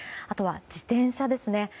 あとは自転車ですね。